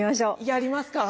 やりますか？